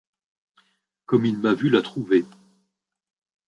Comme il m'a vu la trouver.